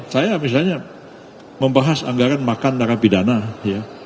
saya misalnya membahas anggaran makan narapidana ya